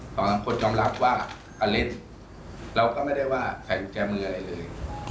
ตอนนั้นคนยอมรับว่าอเล็กเราก็ไม่ได้ว่าใส่กุญแจมืออะไรเลย